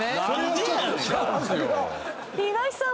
岩井さん